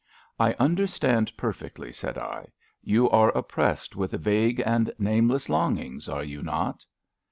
I understand perfectly," said I. " You are oppressed with vague and nameless longings, are you not?